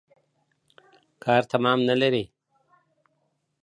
کار تمام نلري.